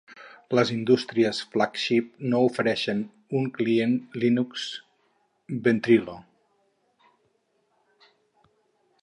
Les indústries Flagship no ofereixen un client Linux Ventrilo.